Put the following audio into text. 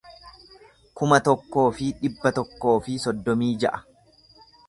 kuma tokkoo fi dhibba tokkoo fi soddomii ja'a